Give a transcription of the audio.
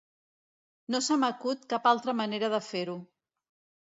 No se m'acut cap altra manera de fer-ho.